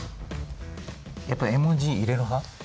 やっぱ絵文字入れる派？